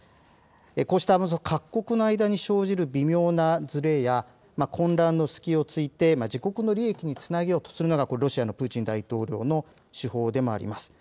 こうした各国の間に生じる微妙なずれや混乱の隙をついて自国の利益につなげようとするのが、ロシアのプーチン大統領の手法でもあります。